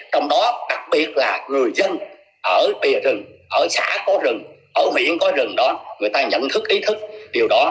trong đó đặc biệt là người dân ở bìa rừng ở xã có rừng ở miệng có rừng đó người ta nhận thức ý thức điều đó